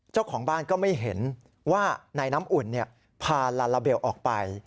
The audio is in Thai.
เจ้าของบ้านก็ไม่เห็นว่านายน้ำอุ่นพาลาลาเบลออกไป